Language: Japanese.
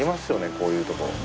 こういうところ。